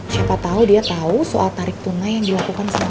siapa tahu dia tahu soal tarik tunai yang dilakukan sekarang